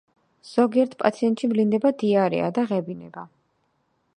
ზოგიერთ პაციენტებში ვლინდება დიარეა და ღებინება.